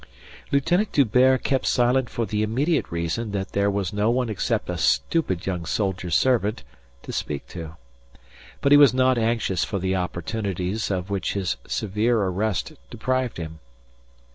Lieutenant D'Hubert kept silent for the immediate reason that there was no one except a stupid young soldier servant to speak to. But he was not anxious for the opportunities of which his severe arrest deprived him.